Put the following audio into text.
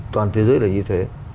toàn thế giới là như thế